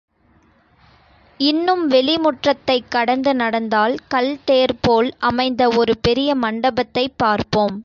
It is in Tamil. இன்னும் வெளி முற்றத்தைக் கடந்து நடந்தால் கல் தேர் போல் அமைந்த ஒரு பெரிய மண்டபத்தைப் பார்ப்போம்.